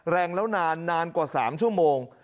แรงแล้วนานนานกว่า๓ชั่วโมง